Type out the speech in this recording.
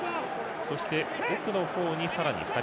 そして奥の方に、さらに２人。